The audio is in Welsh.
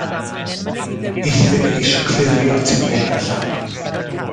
Euthum i geisio clirio tipyn ar y llawr.